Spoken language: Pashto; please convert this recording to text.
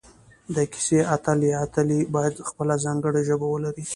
د کیسې اتل یا اتلې باید خپله ځانګړي ژبه ولري